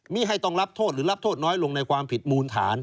ให้ต้องรับโทษหรือรับโทษน้อยลงในความผิดมูลฐาน